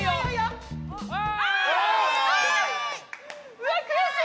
うわ悔しい！